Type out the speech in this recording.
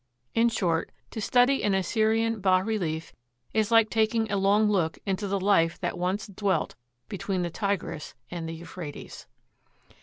In short, to study an Assyrian bas relief is like taking a long look into the life that once dwelt between the Tigris and the Euphrates.